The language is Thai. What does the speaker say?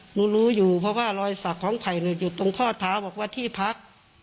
หนูรู้อยู่เพราะว่ารอยสักของไผ่อยู่ตรงข้อเท้าบอกว่าที่พัก